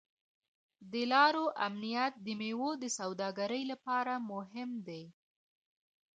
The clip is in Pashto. د لارو امنیت د میوو د سوداګرۍ لپاره مهم دی.